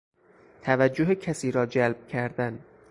توجه کسی را جلب کردن